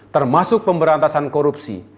termasuk pemberantasan korupsi